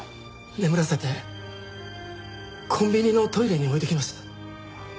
眠らせてコンビニのトイレに置いてきました。